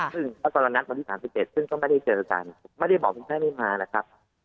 ซึ่งพระกรณัฐวันที่๓๗ซึ่งก็ไม่ได้เจอกันไม่ได้บอกคนไข้ไม่มานะครับ